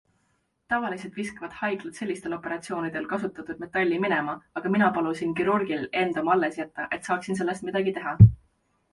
Tavaliselt viskavad haiglad sellistel operatsioonidel kasutatud metalli minema, aga mina palusin kirurgil enda oma alles jätta, et saaksin sellest midagi teha.